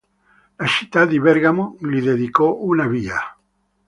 La città di Bergamo gli dedicò una via.